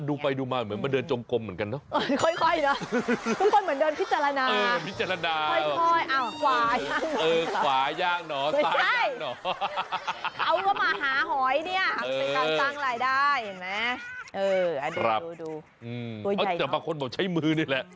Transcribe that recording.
ดูไฟดูมาเหมือนมันเดินจงกลมเหมือนกันเนอะ